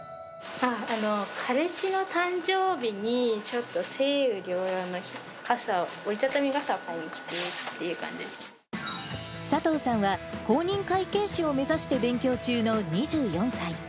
彼氏の誕生日に、ちょっと晴雨両用の傘を、折り畳み傘を買いに来てっていう感じで佐藤さんは、公認会計士を目指して勉強中の２４歳。